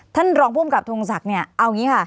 ท่านรองผู้กำกับทงศักดิ์เอาอย่างนี้ค่ะ